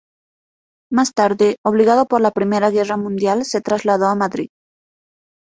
Más tarde, obligado por la Primera guerra mundial se trasladó a Madrid.